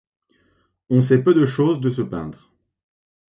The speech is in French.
On sait peu de choses de ce peintre.